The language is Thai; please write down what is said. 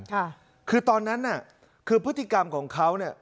ค่ะคือตอนนั้นน่ะคือพฤติกรรมของเขาเนี่ย